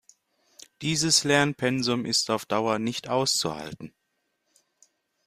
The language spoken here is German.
Dieses Lernpensum ist auf Dauer nicht auszuhalten.